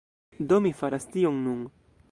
Do, mi faras tion nun